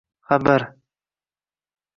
xabar